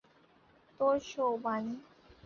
তোর শো, বানি।